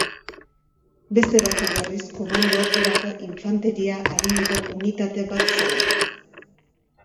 Beste batzuk berriz, komando erako infanteria arineko unitate bat zela.